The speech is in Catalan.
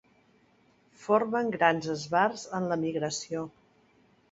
Formen grans esbarts en la migració.